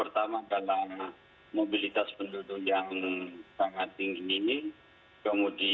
sulawesi selatan butuhnya ketua makassar sebagai epicentrum